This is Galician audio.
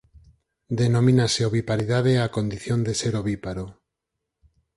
Denomínase oviparidade á condición de ser "ovíparo".